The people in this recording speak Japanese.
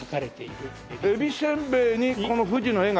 えびせんべいにこの富士の絵が描かれている？